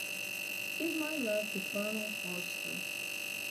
Give my love to Colonel Forster.